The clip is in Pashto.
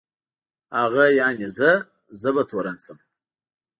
هغه یعني زه، زه به تورن شم.